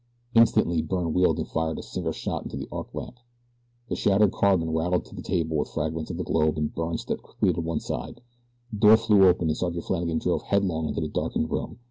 Instantly Byrne wheeled and fired a single shot into the arc lamp, the shattered carbon rattled to the table with fragments of the globe, and Byrne stepped quickly to one side. The door flew open and Sergeant Flannagan dove headlong into the darkened room.